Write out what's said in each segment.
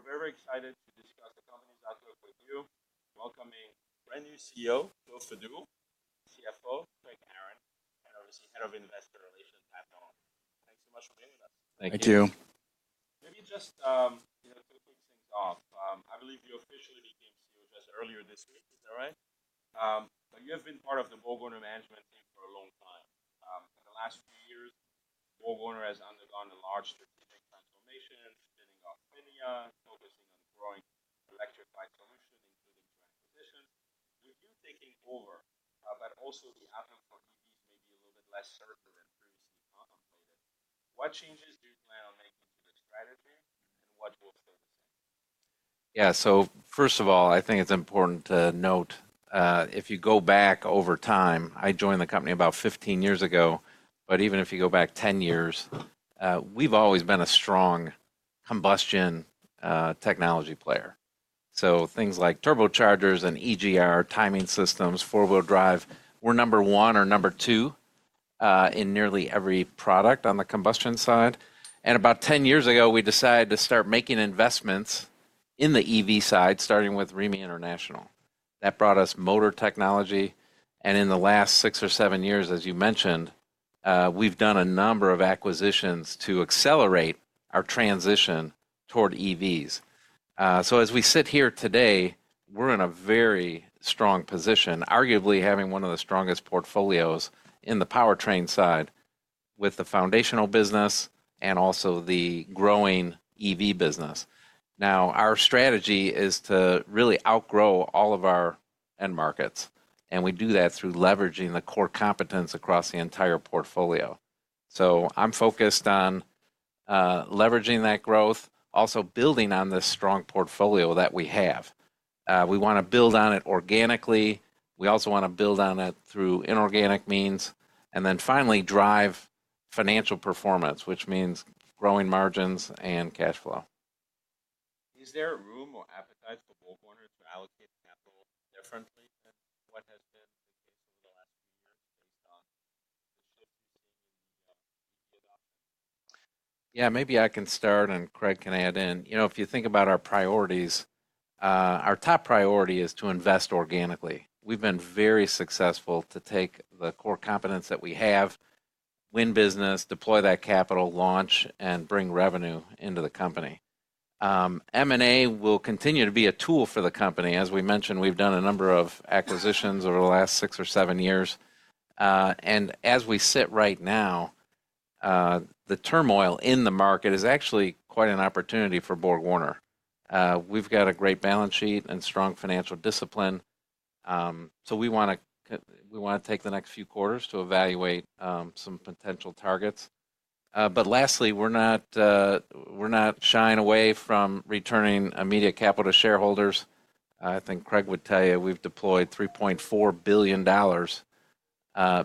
We're very excited to discuss the company's outlook with you, welcoming brand new CEO, Joseph Fadool, CFO, Craig Aaron, and obviously head of investor relations at BorgWarner. Thanks so much for being with us. Thank you. Thank you. Maybe just, you know, to kick things off, I believe you officially became CEO just earlier this week, is that right, but you have been part of the BorgWarner management team for a long time. In the last few years, BorgWarner has undergone a large strategic transformation, spinning off Phinia, focusing on growing electrification solutions, including joint acquisitions. With you taking over but also the outlook for EVs may be a little bit less certain than previously contemplated. What changes do you plan on making to the strategy, and what will stay the same? Yeah, so first of all, I think it's important to note, if you go back over time, I joined the company about 15 years ago, but even if you go back 10 years, we've always been a strong combustion technology player. So things like turbochargers and EGR, timing systems, four-wheel drive, we're number one or number two in nearly every product on the combustion side. And about 10 years ago, we decided to start making investments in the EV side, starting with Remy International. That brought us motor technology. And in the last six or seven years, as you mentioned, we've done a number of acquisitions to accelerate our transition toward EVs. So as we sit here today, we're in a very strong position, arguably having one of the strongest portfolios in the powertrain side with the foundational business and also the growing EV business. Now, our strategy is to really outgrow all of our end markets, and we do that through leveraging the core competence across the entire portfolio. So I'm focused on leveraging that growth, also building on this strong portfolio that we have. We wanna build on it organically. We also wanna build on it through inorganic means. And then finally, drive financial performance, which means growing margins and cash flow. Is there room or appetite for BorgWarner to allocate capital differently than what has been the case over the last few years based on the shift you're seeing in the EV adoption? Yeah, maybe I can start, and Craig can add in. You know, if you think about our priorities, our top priority is to invest organically. We've been very successful to take the core competence that we have, win business, deploy that capital, launch, and bring revenue into the company. M&A will continue to be a tool for the company. As we mentioned, we've done a number of acquisitions over the last six or seven years, and as we sit right now, the turmoil in the market is actually quite an opportunity for BorgWarner. We've got a great balance sheet and strong financial discipline, so we wanna take the next few quarters to evaluate some potential targets, but lastly, we're not, we're not shying away from returning immediate capital to shareholders. I think Craig would tell you we've deployed $3.4 billion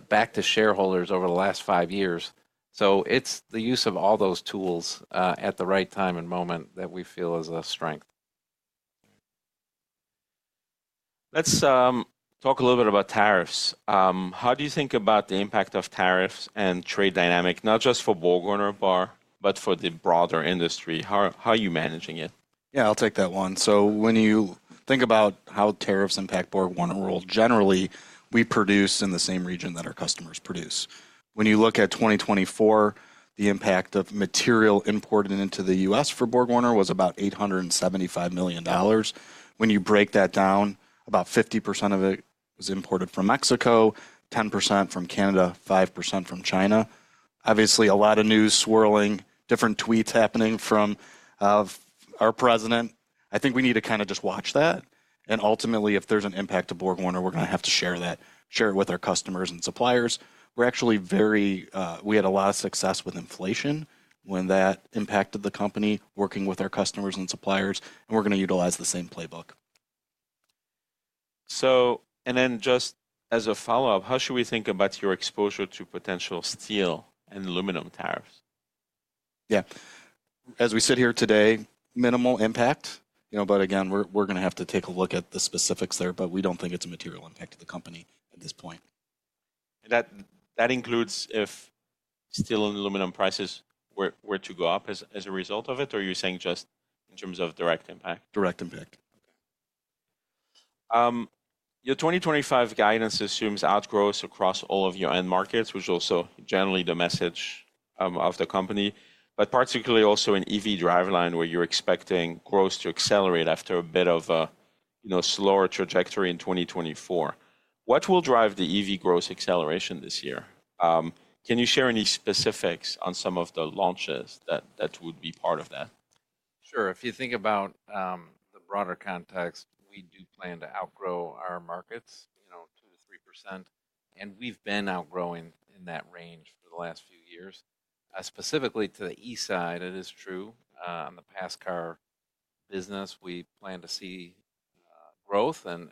back to shareholders over the last five years. So it's the use of all those tools, at the right time and moment that we feel is a strength. Let's talk a little bit about tariffs. How do you think about the impact of tariffs and trade dynamics, not just for BorgWarner, but for the broader industry? How are you managing it? Yeah, I'll take that one. So when you think about how tariffs impact BorgWarner world generally, we produce in the same region that our customers produce. When you look at 2024, the impact of material imported into the U.S. for BorgWarner was about $875 million. When you break that down, about 50% of it was imported from Mexico, 10% from Canada, 5% from China. Obviously, a lot of news swirling, different tweets happening from our president. I think we need to kinda just watch that. And ultimately, if there's an impact to BorgWarner, we're gonna have to share that, share it with our customers and suppliers. We're actually very, we had a lot of success with inflation when that impacted the company, working with our customers and suppliers. And we're gonna utilize the same playbook. And then just as a follow-up, how should we think about your exposure to potential steel and aluminum tariffs? Yeah. As we sit here today, minimal impact, you know, but again, we're gonna have to take a look at the specifics there, but we don't think it's a material impact to the company at this point. That includes if steel and aluminum prices were to go up as a result of it, or are you saying just in terms of direct impact? Direct impact. Your 2025 guidance assumes outgrowth across all of your end markets, which is also generally the message of the company, but particularly also in EV driveline where you're expecting growth to accelerate after a bit of a, you know, slower trajectory in 2024. What will drive the EV growth acceleration this year? Can you share any specifics on some of the launches that would be part of that? Sure. If you think about the broader context, we do plan to outgrow our markets, you know, 2%-3%. And we've been outgrowing in that range for the last few years. Specifically to the east side, it is true. On the passenger car business, we plan to see growth and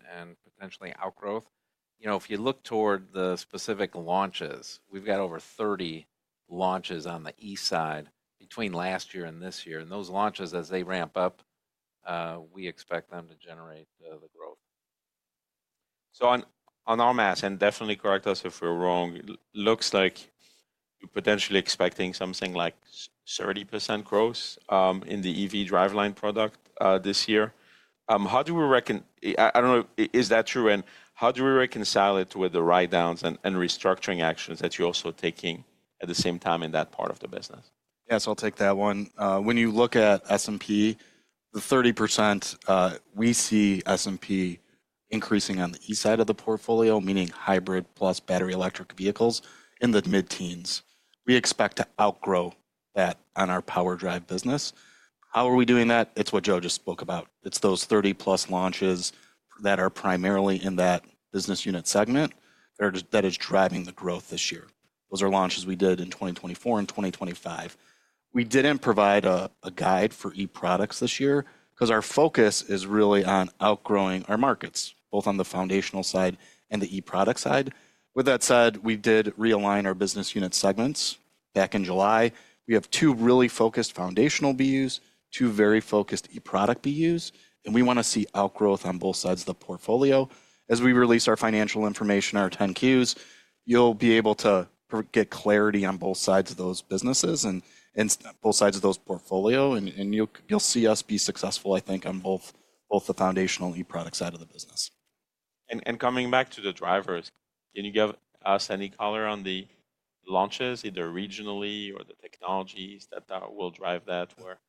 potentially outgrowth. You know, if you look toward the specific launches, we've got over 30 launches on the east side between last year and this year. And those launches, as they ramp up, we expect them to generate the growth. On our math, and definitely correct us if we're wrong, it looks like you're potentially expecting something like 30% growth in the EV driveline product this year. I don't know, is that true? How do we reconcile it with the write-downs and restructuring actions that you're also taking at the same time in that part of the business? Yes, I'll take that one. When you look at S&P, the 30%, we see S&P increasing on the e-side of the portfolio, meaning hybrid plus battery electric vehicles in the mid-teens. We expect to outgrow that on our Power Drive business. How are we doing that? It's what Joe just spoke about. It's those 30-plus launches that are primarily in that business unit segment that are just that is driving the growth this year. Those are launches we did in 2024 and 2025. We didn't provide a guide for e-products this year 'cause our focus is really on outgrowing our markets, both on the foundational side and the e-product side. With that said, we did realign our business unit segments back in July. We have two really focused foundational BUs, two very focused e-product BUs, and we wanna see outgrowth on both sides of the portfolio. As we release our financial information, our 10-Qs, you'll be able to get clarity on both sides of those businesses and both sides of those portfolios. You'll see us be successful, I think, on both the foundational and e-product side of the business. Coming back to the drivers, can you give us any color on the launches, either regionally or the technologies that will drive that? Where,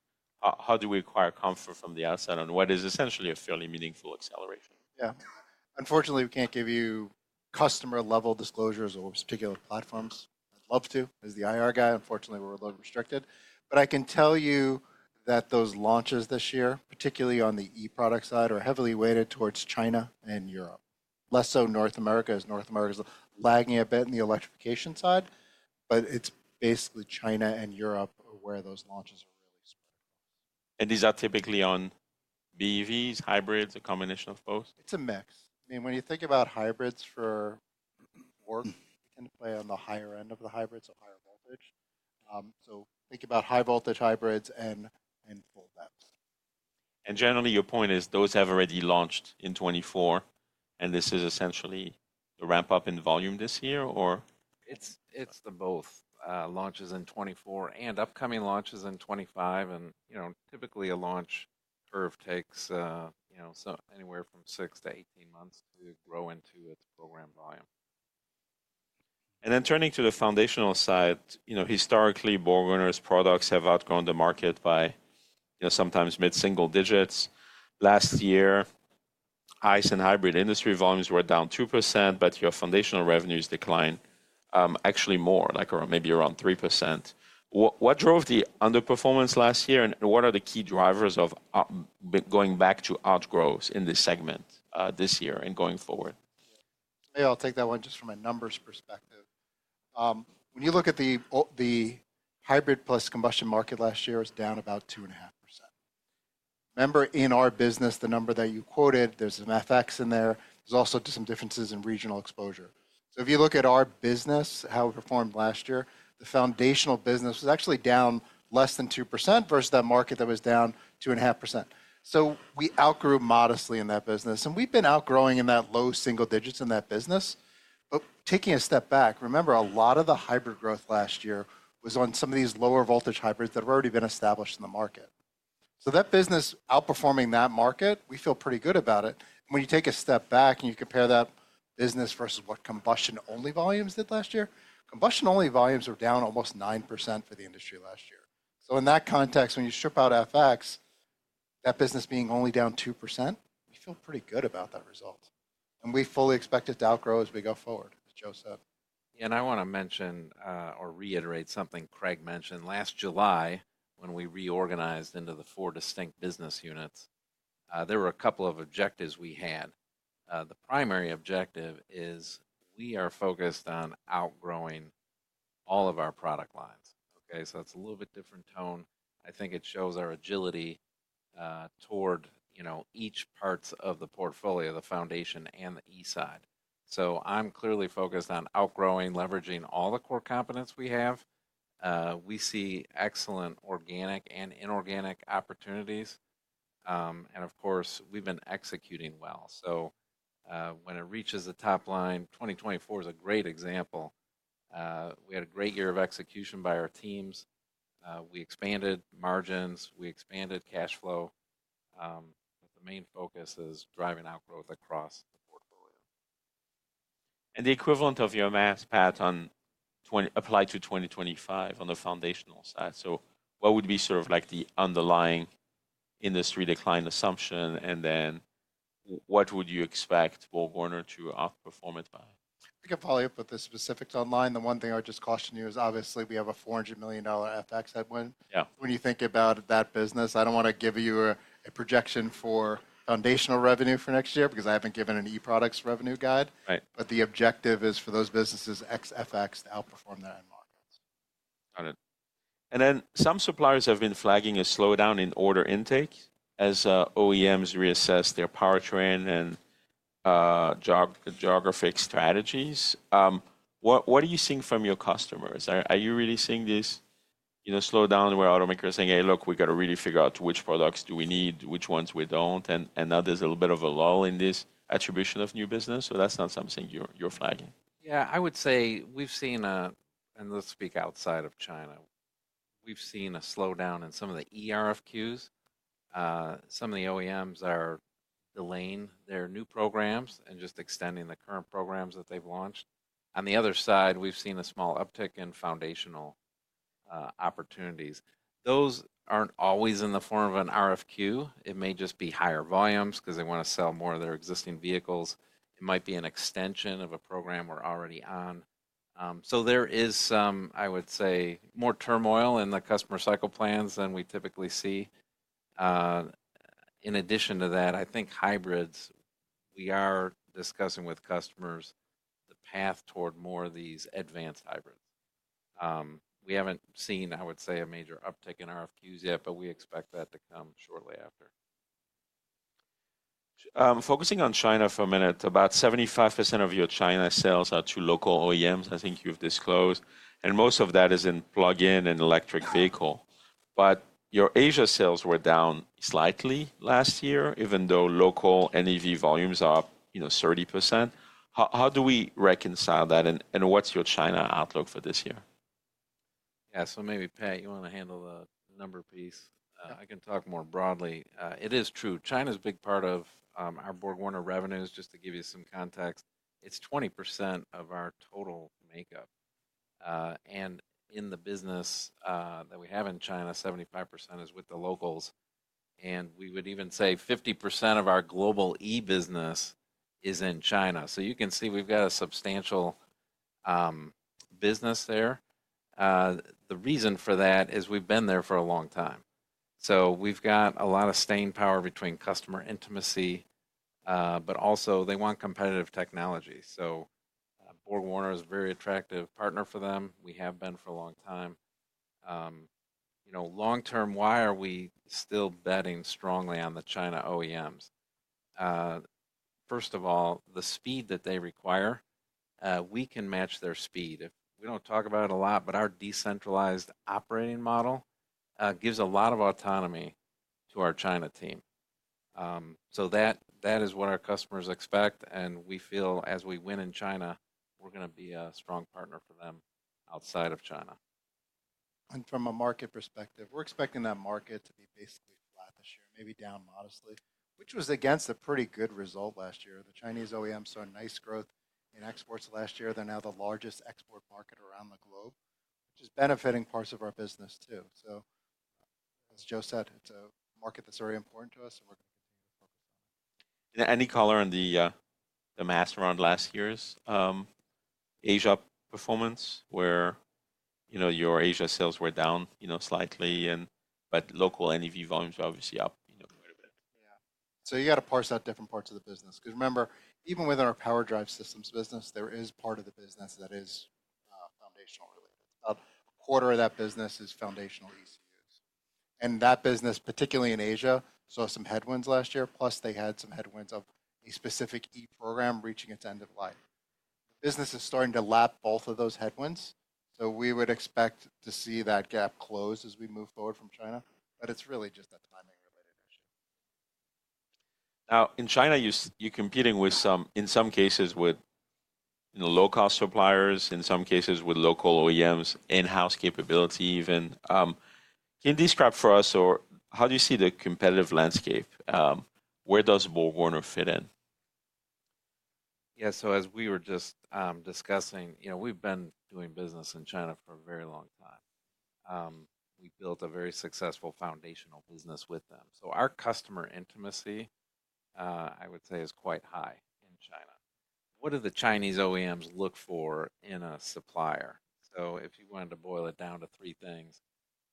how do we acquire comfort from the outside on what is essentially a fairly meaningful acceleration? Yeah. Unfortunately, we can't give you customer-level disclosures of particular platforms. I'd love to, as the IR guy. Unfortunately, we're a little restricted. But I can tell you that those launches this year, particularly on the e-product side, are heavily weighted towards China and Europe, less so North America as North America's lagging a bit in the electrification side. But it's basically China and Europe where those launches are really spread across. These are typically on BEVs, hybrids, a combination of both? It's a mix. I mean, when you think about hybrids for work, they tend to play on the higher end of the hybrid, so higher voltage. So think about high-voltage hybrids and full depth. Generally, your point is those have already launched in 2024, and this is essentially the ramp-up in volume this year, or? It's both launches in 2024 and upcoming launches in 2025. You know, typically a launch curve takes, you know, so anywhere from six to 18 months to grow into its program volume. Turning to the foundational side, you know, historically, BorgWarner's products have outgrown the market by, you know, sometimes mid-single digits. Last year, ICE and hybrid industry volumes were down 2%, but your foundational revenues declined, actually more, like around maybe 3%. What drove the underperformance last year, and what are the key drivers of, going back to outgrowth in this segment, this year and going forward? Yeah, I'll take that one just from a numbers perspective. When you look at the hybrid plus combustion market last year, it was down about 2.5%. Remember in our business, the number that you quoted, there's a mix in there. There's also some differences in regional exposure. So if you look at our business, how it performed last year, the foundational business was actually down less than 2% versus that market that was down 2.5%. So we outgrew modestly in that business, and we've been outgrowing in that low single digits in that business. But taking a step back, remember a lot of the hybrid growth last year was on some of these lower-voltage hybrids that have already been established in the market. So that business outperforming that market, we feel pretty good about it. And when you take a step back and you compare that business versus what combustion-only volumes did last year, combustion-only volumes were down almost 9% for the industry last year. So in that context, when you strip out FX, that business being only down 2%, we feel pretty good about that result. And we fully expect it to outgrow as we go forward, as Joe said. And I wanna mention, or reiterate something Craig mentioned. Last July, when we reorganized into the four distinct business units, there were a couple of objectives we had. The primary objective is we are focused on outgrowing all of our product lines. Okay? That's a little bit different tone. I think it shows our agility toward, you know, each parts of the portfolio, the foundational and the E-side. So I'm clearly focused on outgrowing, leveraging all the core competence we have. We see excellent organic and inorganic opportunities, and of course, we've been executing well. So when it reaches the top line, 2024 is a great example. We had a great year of execution by our teams. We expanded margins, we expanded cash flow, but the main focus is driving outgrowth across the portfolio. The equivalent of your midpoint on 20% apply to 2025 on the foundational side. What would be sort of like the underlying industry decline assumption? And then what would you expect BorgWarner to outperform it by? I think I'll follow up with the specifics online. The one thing I would just caution you is obviously we have a $400 million FX headwind. Yeah. When you think about that business, I don't wanna give you a projection for foundational revenue for next year because I haven't given an e-products revenue guide. Right. But the objective is for those businesses ex FX to outperform their end markets. Got it. And then some suppliers have been flagging a slowdown in order intake as OEMs reassess their powertrain and geographic strategies. What are you seeing from your customers? Are you really seeing this, you know, slowdown where automakers are saying, "Hey, look, we gotta really figure out which products do we need, which ones we don't?" And now there's a little bit of a lull in this attribution of new business. So that's not something you're flagging. Yeah, I would say we've seen, and let's speak outside of China, a slowdown in some of the ERFQs. Some of the OEMs are delaying their new programs and just extending the current programs that they've launched. On the other side, we've seen a small uptick in foundational opportunities. Those aren't always in the form of an RFQ. It may just be higher volumes 'cause they wanna sell more of their existing vehicles. It might be an extension of a program we're already on. So there is some, I would say, more turmoil in the customer cycle plans than we typically see. In addition to that, I think hybrids. We are discussing with customers the path toward more of these advanced hybrids. We haven't seen, I would say, a major uptick in RFQs yet, but we expect that to come shortly after. Focusing on China for a minute, about 75% of your China sales are to local OEMs, I think you've disclosed. And most of that is in plug-in and electric vehicle. But your Asia sales were down slightly last year, even though local NEV volumes are, you know, 30%. How do we reconcile that? And what's your China outlook for this year? Yeah, so maybe Pat, you wanna handle the number piece. Yeah. I can talk more broadly. It is true. China's a big part of our BorgWarner revenues. Just to give you some context, it's 20% of our total makeup. And in the business that we have in China, 75% is with the locals. And we would even say 50% of our global e-business is in China. So you can see we've got a substantial business there. The reason for that is we've been there for a long time. So we've got a lot of staying power between customer intimacy, but also they want competitive technology. So BorgWarner is a very attractive partner for them. We have been for a long time. You know, long-term, why are we still betting strongly on the China OEMs? First of all, the speed that they require, we can match their speed. If we don't talk about it a lot, but our decentralized operating model gives a lot of autonomy to our China team, so that is what our customers expect, and we feel as we win in China, we're gonna be a strong partner for them outside of China. From a market perspective, we're expecting that market to be basically flat this year, maybe down modestly, which was against a pretty good result last year. The Chinese OEMs saw nice growth in exports last year. They're now the largest export market around the globe, which is benefiting parts of our business too. So, as Joe said, it's a market that's very important to us, and we're gonna continue to focus on it. Any color on the math around last year's Asia performance where, you know, your Asia sales were down, you know, slightly, and but local NEV volumes were obviously up, you know, quite a bit. Yeah. So you gotta parse out different parts of the business. 'Cause remember, even within our power drive systems business, there is part of the business that is foundational related. About a quarter of that business is foundational ECUs. And that business, particularly in Asia, saw some headwinds last year, plus they had some headwinds of a specific e-program reaching its end of life. The business is starting to lap both of those headwinds. So we would expect to see that gap close as we move forward from China. But it's really just a timing-related issue. Now, in China, you're competing with some, in some cases with, you know, low-cost suppliers, in some cases with local OEMs, in-house capability even. Can you describe for us, or how do you see the competitive landscape? Where does BorgWarner fit in? Yeah, so as we were just discussing, you know, we've been doing business in China for a very long time. We built a very successful foundational business with them. So our customer intimacy, I would say, is quite high in China. What do the Chinese OEMs look for in a supplier? So if you wanted to boil it down to three things,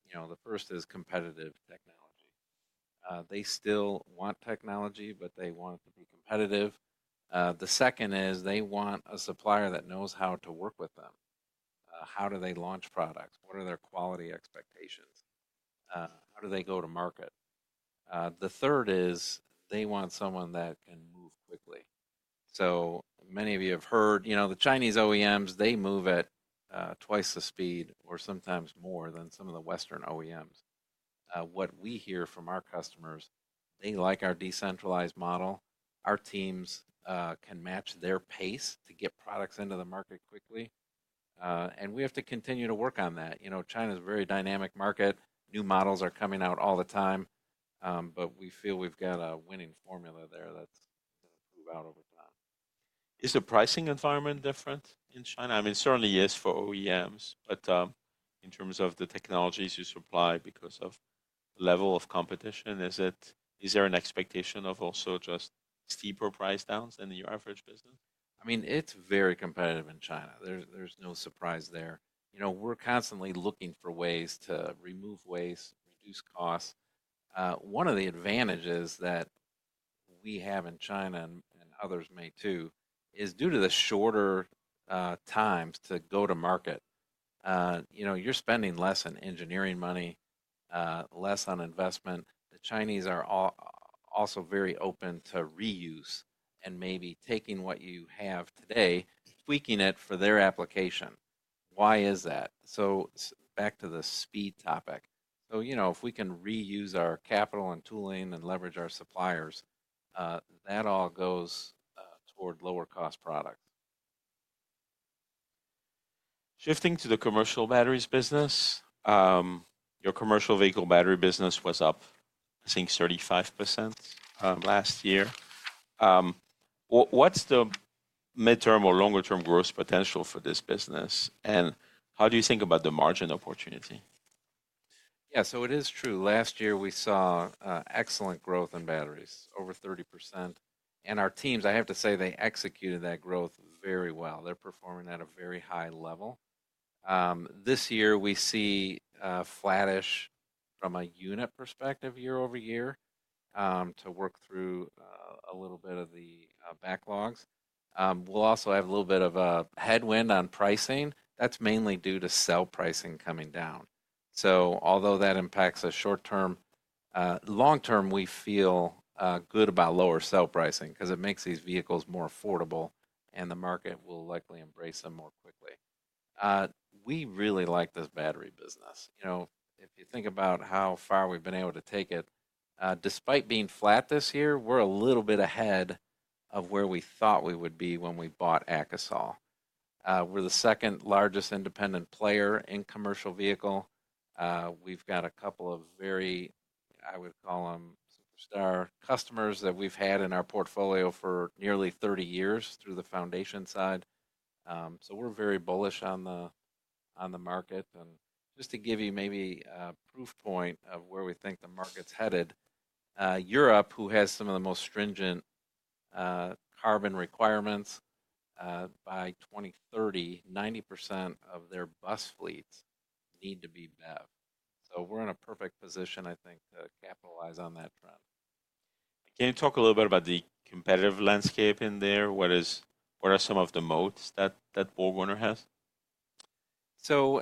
you know, the first is competitive technology. They still want technology, but they want it to be competitive. The second is they want a supplier that knows how to work with them. How do they launch products? What are their quality expectations? How do they go to market? The third is they want someone that can move quickly. So many of you have heard, you know, the Chinese OEMs. They move at twice the speed or sometimes more than some of the Western OEMs. What we hear from our customers, they like our decentralized model. Our teams can match their pace to get products into the market quickly. And we have to continue to work on that. You know, China's a very dynamic market. New models are coming out all the time. But we feel we've got a winning formula there that's gonna prove out over time. Is the pricing environment different in China? I mean, certainly yes for OEMs, but, in terms of the technologies you supply because of the level of competition, is it, is there an expectation of also just steeper price downs than your average business? I mean, it's very competitive in China. There's no surprise there. You know, we're constantly looking for ways to remove waste, reduce costs. One of the advantages that we have in China, and others may too, is due to the shorter times to go to market. You know, you're spending less on engineering money, less on investment. The Chinese are also very open to reuse and maybe taking what you have today, tweaking it for their application. Why is that? So back to the speed topic. So, you know, if we can reuse our capital and tooling and leverage our suppliers, that all goes toward lower-cost products. Shifting to the commercial batteries business, your commercial vehicle battery business was up, I think, 35%, last year. What's the midterm or longer-term growth potential for this business? And how do you think about the margin opportunity? Yeah, so it is true. Last year, we saw excellent growth in batteries, over 30%, and our teams, I have to say, they executed that growth very well. They're performing at a very high level. This year, we see flattish from a unit perspective year over year, to work through a little bit of the backlogs. We'll also have a little bit of a headwind on pricing. That's mainly due to cell pricing coming down, so although that impacts us short-term, long-term, we feel good about lower cell pricing 'cause it makes these vehicles more affordable, and the market will likely embrace them more quickly. We really like this battery business. You know, if you think about how far we've been able to take it, despite being flat this year, we're a little bit ahead of where we thought we would be when we bought AKASOL. We're the second largest independent player in commercial vehicle. We've got a couple of very, I would call them superstar customers that we've had in our portfolio for nearly 30 years through the foundation side, so we're very bullish on the market, and just to give you maybe a proof point of where we think the market's headed, Europe, who has some of the most stringent carbon requirements, by 2030, 90% of their bus fleets need to be BEV, so we're in a perfect position, I think, to capitalize on that trend. Can you talk a little bit about the competitive landscape in there? What is, what are some of the moats that, that BorgWarner has? So,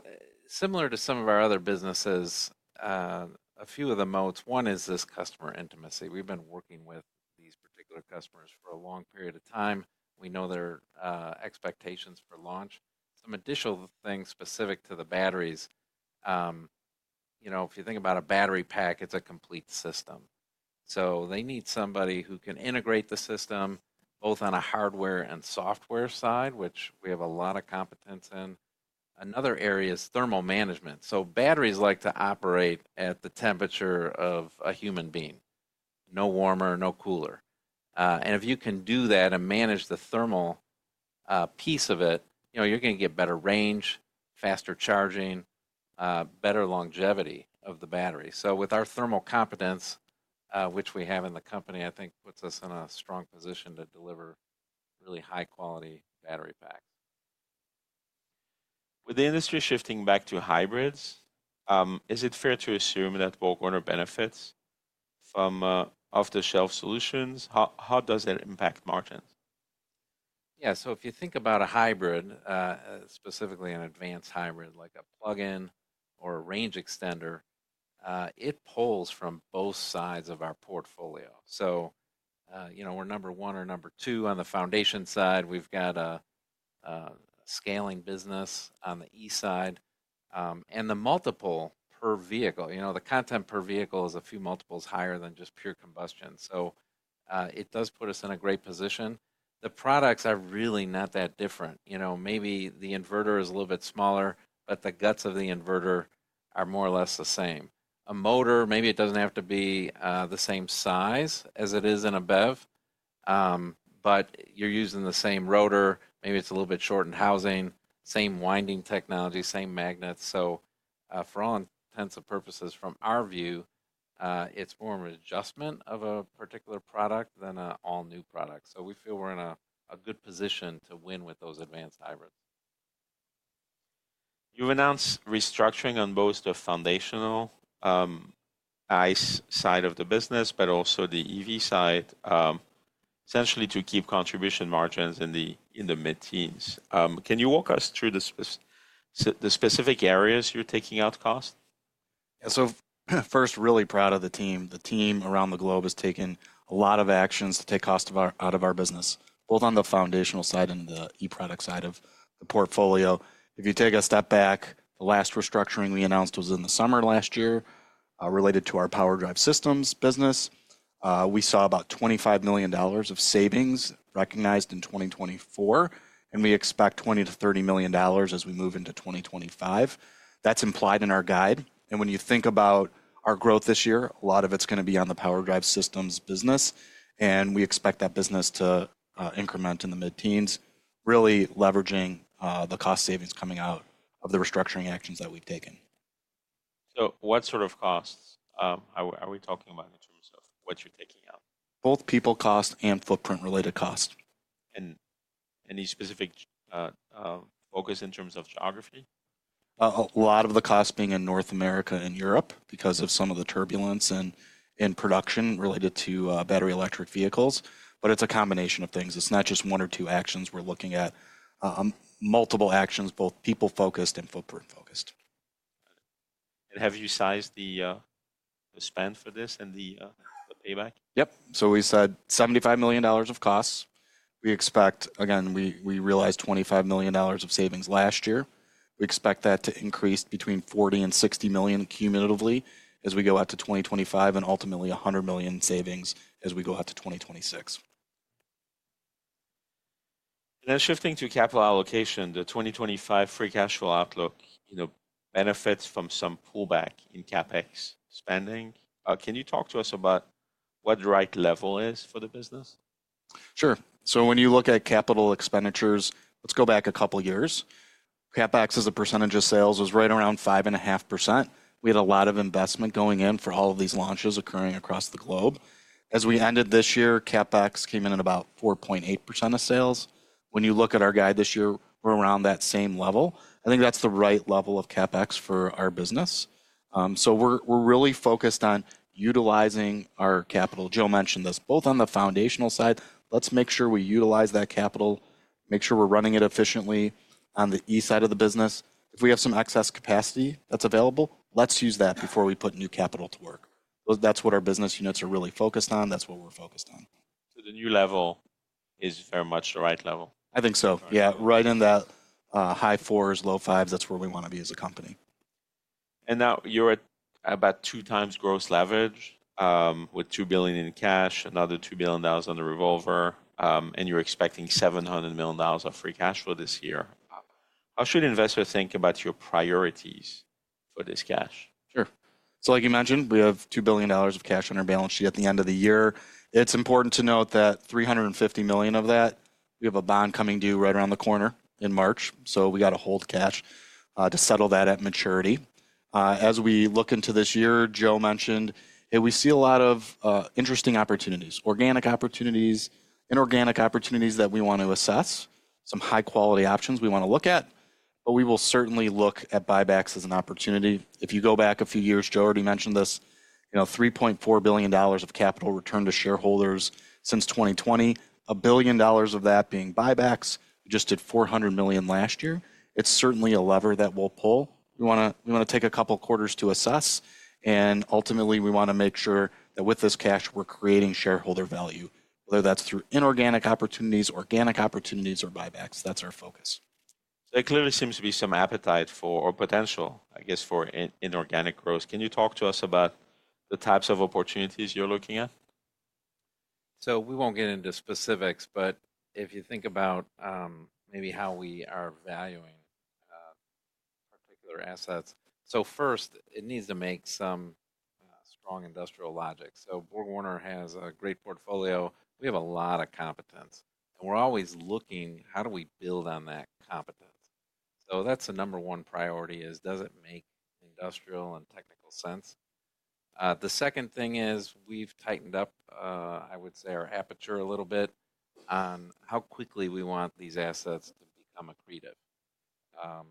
similar to some of our other businesses, a few of the moats, one is this customer intimacy. We've been working with these particular customers for a long period of time. We know their expectations for launch. Some additional things specific to the batteries, you know, if you think about a battery pack, it's a complete system. So they need somebody who can integrate the system both on a hardware and software side, which we have a lot of competence in. Another area is thermal management. So batteries like to operate at the temperature of a human being, no warmer, no cooler, and if you can do that and manage the thermal piece of it, you know, you're gonna get better range, faster charging, better longevity of the battery. So with our thermal competence, which we have in the company, I think puts us in a strong position to deliver really high-quality battery packs. With the industry shifting back to hybrids, is it fair to assume that BorgWarner benefits from off-the-shelf solutions? How does that impact margins? Yeah, so if you think about a hybrid, specifically an advanced hybrid, like a plug-in or a range extender, it pulls from both sides of our portfolio. So, you know, we're number one or number two on the foundation side. We've got a scaling business on the e-side, and the multiple per vehicle, you know, the content per vehicle is a few multiples higher than just pure combustion. So, it does put us in a great position. The products are really not that different. You know, maybe the inverter is a little bit smaller, but the guts of the inverter are more or less the same. A motor, maybe it doesn't have to be the same size as it is in a BEV, but you're using the same Rotor, maybe it's a little bit shortened housing, same winding technology, same magnets. So, for all intents and purposes, from our view, it's more of an adjustment of a particular product than an all-new product. So we feel we're in a good position to win with those advanced hybrids. You've announced restructuring on both the foundational, ICE side of the business, but also the EV side, essentially to keep contribution margins in the mid-teens. Can you walk us through the specific areas you're taking out cost? Yeah, so first, really proud of the team. The team around the globe has taken a lot of actions to take costs out of our business, both on the foundational side and the e-product side of the portfolio. If you take a step back, the last restructuring we announced was in the summer last year, related to our power drive systems business. We saw about $25 million of savings recognized in 2024, and we expect $20-30 million as we move into 2025. That's implied in our guide. And when you think about our growth this year, a lot of it's gonna be on the power drive systems business. And we expect that business to increment in the mid-teens, really leveraging the cost savings coming out of the restructuring actions that we've taken. So what sort of costs are we talking about in terms of what you're taking out? Both personnel cost and footprint-related cost. And any specific focus in terms of geography? A lot of the costs being in North America and Europe because of some of the turbulence in production related to battery electric vehicles. But it's a combination of things. It's not just one or two actions we're looking at. Multiple actions, both people-focused and footprint-focused. Have you sized the spend for this and the payback? Yep. So we said $75 million of costs. We expect, again, we realized $25 million of savings last year. We expect that to increase between 40 and 60 million cumulatively as we go out to 2025 and ultimately 100 million savings as we go out to 2026. And then shifting to capital allocation, the 2025 free cash flow outlook, you know, benefits from some pullback in CapEx spending. Can you talk to us about what the right level is for the business? Sure. So when you look at capital expenditures, let's go back a couple of years. CapEx as a percentage of sales was right around 5.5%. We had a lot of investment going in for all of these launches occurring across the globe. As we ended this year, CapEx came in at about 4.8% of sales. When you look at our guide this year, we're around that same level. I think that's the right level of CapEx for our business. So we're really focused on utilizing our capital. Joe mentioned this, both on the foundational side, let's make sure we utilize that capital, make sure we're running it efficiently on the E side of the business. If we have some excess capacity that's available, let's use that before we put new capital to work. So that's what our business units are really focused on. That's what we're focused on. The new level is very much the right level? I think so. Yeah, right in that, high fours, low fives, that's where we wanna be as a company. Now you're at about two times gross leverage, with 2 billion in cash, another $2 billion on the revolver, and you're expecting $700 million of free cash flow this year. How should investors think about your priorities for this cash? Sure. So like you mentioned, we have $2 billion of cash on our balance sheet at the end of the year. It's important to note that 350 million of that, we have a bond coming due right around the corner in March. So we gotta hold cash to settle that at maturity. As we look into this year, Joe mentioned, hey, we see a lot of interesting opportunities, organic opportunities, inorganic opportunities that we wanna assess, some high-quality options we wanna look at. But we will certainly look at buybacks as an opportunity. If you go back a few years, Joe already mentioned this, you know, $3.4 billion of capital returned to shareholders since 2020, a billion dollars of that being buybacks. We just did 400 million last year. It's certainly a lever that we'll pull. We wanna take a couple of quarters to assess. Ultimately, we wanna make sure that with this cash, we're creating shareholder value, whether that's through inorganic opportunities, organic opportunities, or buybacks. That's our focus. There clearly seems to be some appetite for, or potential, I guess, for inorganic growth. Can you talk to us about the types of opportunities you're looking at? So we won't get into specifics, but if you think about maybe how we are valuing particular assets, so first, it needs to make some strong industrial logic. So BorgWarner has a great portfolio. We have a lot of competence. And we're always looking how do we build on that competence? So that's the number one priority is, does it make industrial and technical sense? The second thing is we've tightened up, I would say, our aperture a little bit on how quickly we want these assets to become accretive. So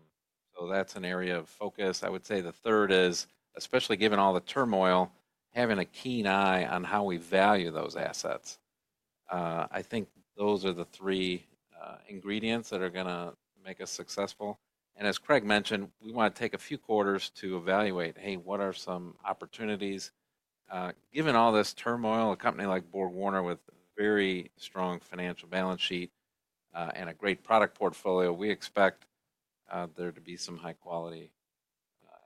that's an area of focus. I would say the third is, especially given all the turmoil, having a keen eye on how we value those assets. I think those are the three ingredients that are gonna make us successful. And as Craig mentioned, we wanna take a few quarters to evaluate, hey, what are some opportunities? Given all this turmoil, a company like BorgWarner with a very strong financial balance sheet and a great product portfolio, we expect there to be some high-quality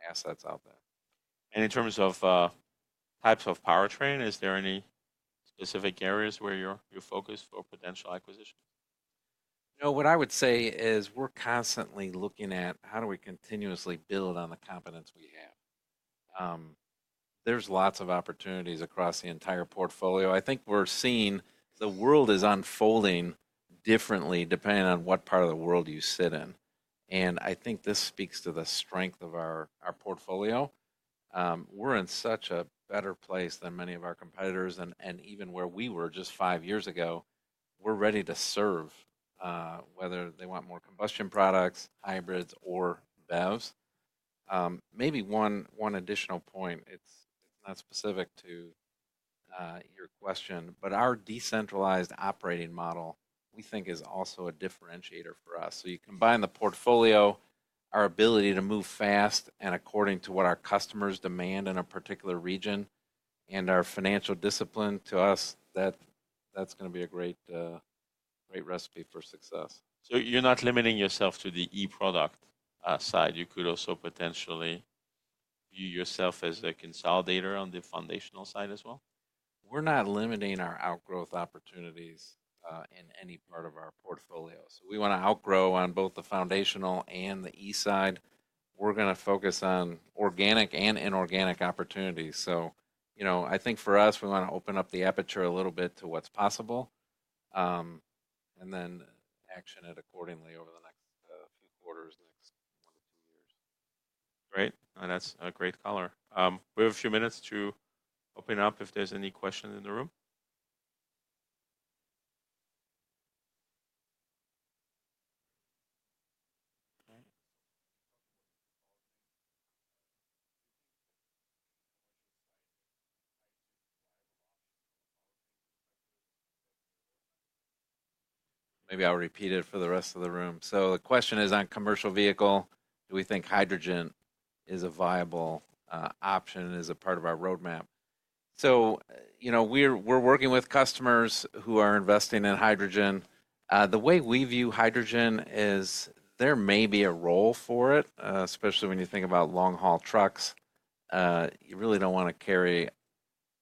assets out there. In terms of types of powertrain, is there any specific areas where you're focused for potential acquisitions? You know, what I would say is we're constantly looking at how do we continuously build on the competence we have. There's lots of opportunities across the entire portfolio. I think we're seeing the world is unfolding differently depending on what part of the world you sit in. I think this speaks to the strength of our portfolio. We're in such a better place than many of our competitors. Even where we were just five years ago, we're ready to serve, whether they want more combustion products, hybrids, or BEVs. Maybe one additional point, it's not specific to your question, but our decentralized operating model, we think, is also a differentiator for us. You combine the portfolio, our ability to move fast, and according to what our customers demand in a particular region, and our financial discipline to us, that's gonna be a great, great recipe for success. So you're not limiting yourself to the e-product side. You could also potentially view yourself as a consolidator on the foundational side as well? We're not limiting our outgrowth opportunities in any part of our portfolio. So we wanna outgrow on both the foundational and the e-side. We're gonna focus on organic and inorganic opportunities. So, you know, I think for us, we wanna open up the aperture a little bit to what's possible, and then action it accordingly over the next few quarters, next one to two years. Great. That's a great color. We have a few minutes to open up if there's any question in the room. Maybe I'll repeat it for the rest of the room. So the question is on commercial vehicle, do we think hydrogen is a viable option as a part of our roadmap? So, you know, we're working with customers who are investing in hydrogen. The way we view hydrogen is there may be a role for it, especially when you think about long-haul trucks. You really don't wanna carry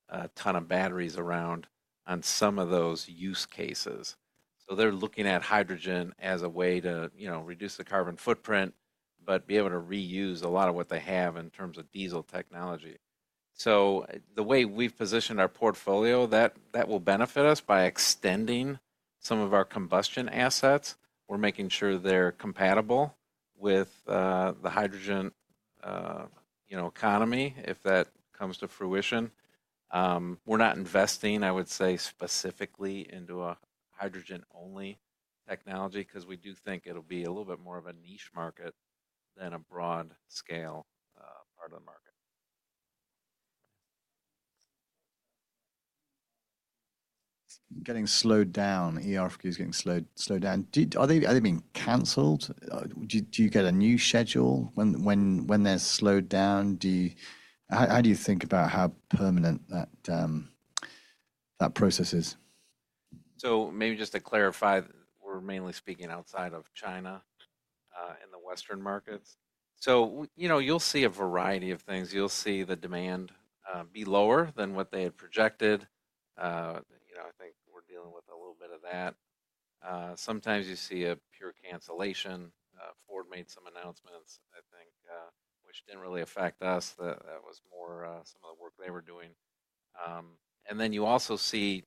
a ton of batteries around on some of those use cases. So they're looking at hydrogen as a way to, you know, reduce the carbon footprint, but be able to reuse a lot of what they have in terms of diesel technology. So the way we've positioned our portfolio, that will benefit us by extending some of our combustion assets. We're making sure they're compatible with the hydrogen, you know, economy if that comes to fruition. We're not investing, I would say, specifically into a hydrogen-only technology 'cause we do think it'll be a little bit more of a niche market than a broad-scale part of the market. Getting slowed down. ERFQ's getting slowed down. Are they being canceled? Do you get a new schedule when they're slowed down? How do you think about how permanent that process is? So maybe just to clarify, we're mainly speaking outside of China, in the Western markets. So, you know, you'll see a variety of things. You'll see the demand be lower than what they had projected. You know, I think we're dealing with a little bit of that. Sometimes you see a pure cancellation. Ford made some announcements, I think, which didn't really affect us. That was more some of the work they were doing, and then you also see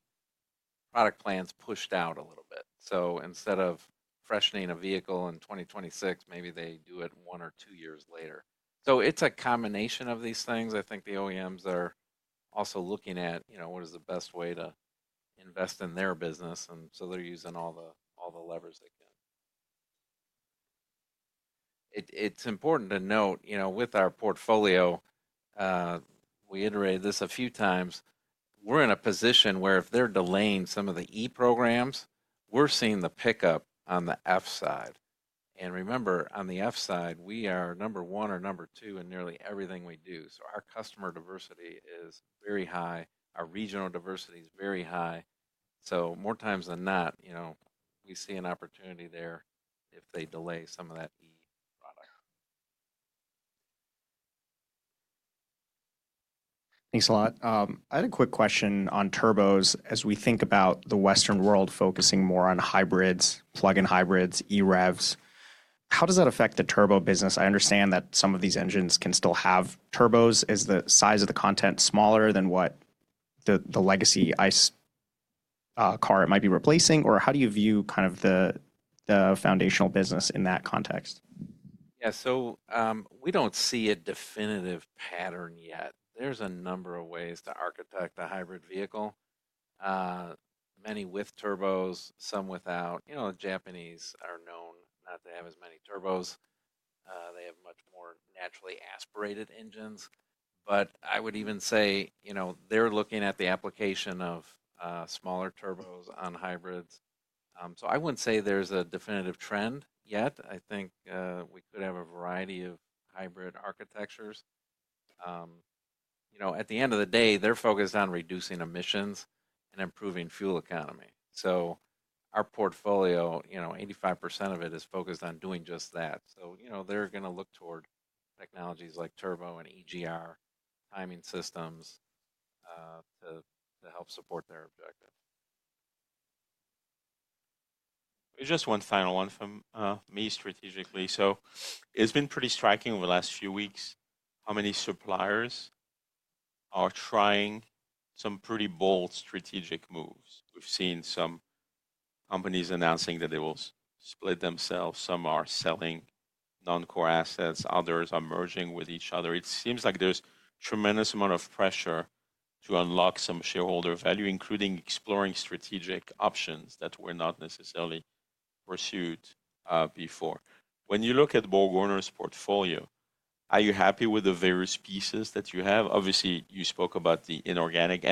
product plans pushed out a little bit. So instead of freshening a vehicle in 2026, maybe they do it one or two years later. So it's a combination of these things. I think the OEMs are also looking at, you know, what is the best way to invest in their business, and so they're using all the levers they can. It's important to note, you know, with our portfolio, we iterated this a few times. We're in a position where if they're delaying some of the e-programs, we're seeing the pickup on the F side. And remember, on the F side, we are number one or number two in nearly everything we do. So our customer diversity is very high. Our regional diversity is very high. So more times than not, you know, we see an opportunity there if they delay some of that e-product. Thanks a lot. I had a quick question on turbos as we think about the Western world focusing more on hybrids, plug-in hybrids, EREVs. How does that affect the turbo business? I understand that some of these engines can still have turbos as the size of the content smaller than what the legacy ICE car it might be replacing, or how do you view kind of the foundational business in that context? Yeah. So, we don't see a definitive pattern yet. There's a number of ways to architect a hybrid vehicle. Many with turbos, some without. You know, the Japanese are known not to have as many turbos. They have much more naturally aspirated engines. But I would even say, you know, they're looking at the application of smaller turbos on hybrids. So I wouldn't say there's a definitive trend yet. I think we could have a variety of hybrid architectures. You know, at the end of the day, they're focused on reducing emissions and improving fuel economy. So our portfolio, you know, 85% of it is focused on doing just that. So, you know, they're gonna look toward technologies like turbo and EGR timing systems to help support their objective. Just one final one from me strategically. So it's been pretty striking over the last few weeks how many suppliers are trying some pretty bold strategic moves. We've seen some companies announcing that they will split themselves. Some are selling non-core assets. Others are merging with each other. It seems like there's a tremendous amount of pressure to unlock some shareholder value, including exploring strategic options that were not necessarily pursued before. When you look at BorgWarner's portfolio, are you happy with the various pieces that you have? Obviously, you spoke about the inorganic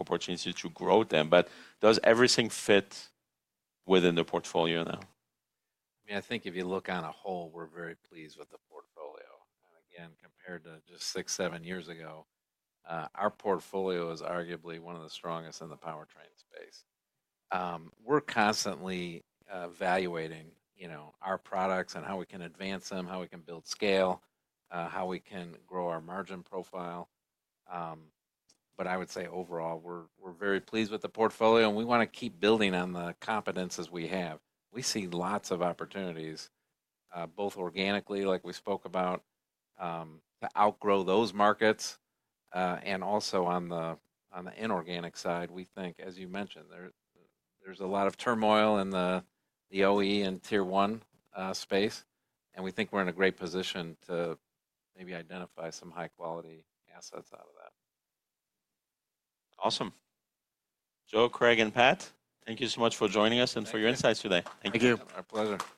opportunities to grow them, but does everything fit within the portfolio now? I mean, I think if you look on the whole, we're very pleased with the portfolio, and again, compared to just six, seven years ago, our portfolio is arguably one of the strongest in the powertrain space. We're constantly evaluating, you know, our products and how we can advance them, how we can build scale, how we can grow our margin profile, but I would say overall, we're very pleased with the portfolio, and we wanna keep building on the momentum as we have. We see lots of opportunities, both organically, like we spoke about, to outgrow those markets, and also on the inorganic side. We think, as you mentioned, there's a lot of turmoil in the OE and tier one space, and we think we're in a great position to maybe identify some high-quality assets out of that. Awesome. Joe, Craig, and Pat, thank you so much for joining us and for your insights today. Thank you. Thank you. Our pleasure.